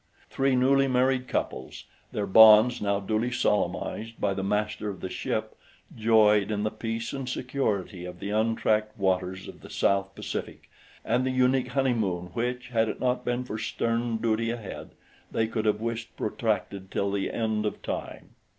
Three newly married couples, their bonds now duly solemnized by the master of the ship, joyed in the peace and security of the untracked waters of the south Pacific and the unique honeymoon which, had it not been for stern duty ahead, they could have wished protracted till the end of time.